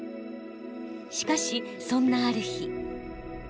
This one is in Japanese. しかしそんなある日。